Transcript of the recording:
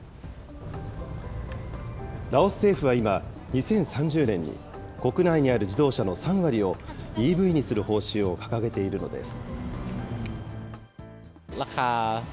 ラオス政府は今、２０３０年に国内にある自動車の３割を、ＥＶにする方針を掲げているのです。